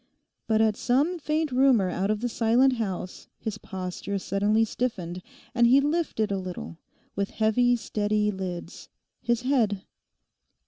But at some faint rumour out of the silent house his posture suddenly stiffened, and he lifted a little, with heavy, steady lids, his head.